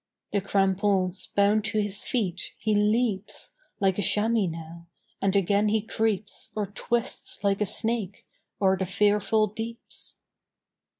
The crampons bound to his feet, he leaps Like a chamois now; and again he creeps Or twists, like a snake, o'er the fearful deeps.